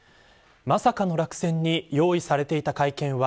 まさかの落選に用意されていた会見は